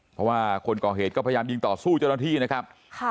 เพราะว่าคนก่อเหตุก็พยายามยิงต่อสู้เจ้าหน้าที่นะครับ